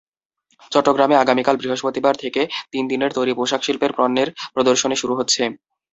চট্টগ্রামে আগামীকাল বৃহস্পতিবার থেকে তিন দিনের তৈরি পোশাকশিল্পের পণ্যের প্রদর্শনী শুরু হচ্ছে।